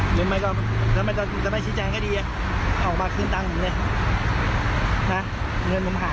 หรือไม่ก็ถ้าไม่ชิ้นแจงก็ดีอ่ะออกมาขึ้นตังค์หนึ่งเนี่ย